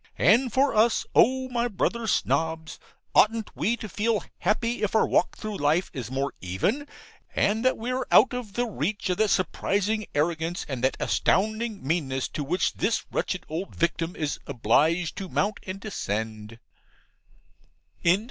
And for us, O my brother Snobs, oughtn't we to feel happy if our walk through life is more even, and that we are out of the reach of that surprising arrogance and that astounding meanness to which this wretched old victim is obliged to mount and descend.